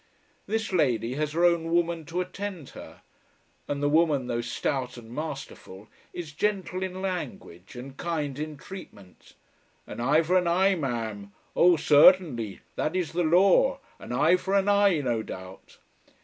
This lady has her own woman to attend her; and the woman, though stout and masterful, is gentle in language and kind in treatment. "An eye for an eye, ma'am. Oh, certainly. That is the law. An eye for an eye, no doubt."